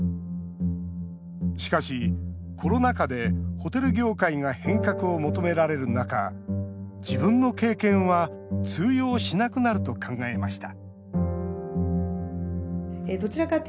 しかし、コロナ禍でホテル業界が変革を求められる中自分の経験は通用しなくなると考えました